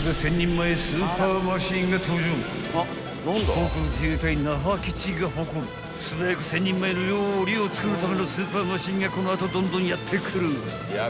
［航空自衛隊那覇基地が誇る素早く１，０００人前の料理を作るためのスーパーマシンがこの後どんどんやって来る］